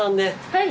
はい。